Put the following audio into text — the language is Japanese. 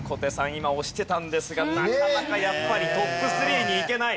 今押してたんですがなかなかやっぱりトップ３に行けない。